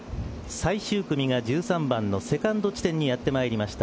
最終組が１３番のセカンド地点にやってまいりました。